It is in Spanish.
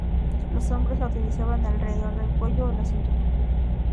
Los hombres la utilizaban alrededor del cuello o la cintura.